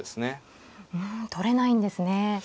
うん取れないんですね。